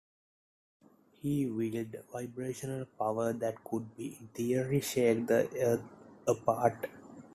He wields vibrational powers that could in theory shake the Earth apart.